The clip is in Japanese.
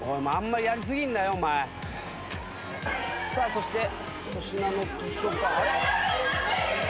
そして粗品の図書館。